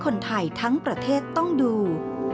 คนไทยทั้งประเทศต้องดู